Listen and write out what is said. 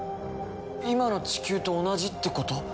今の地球と同じってこと？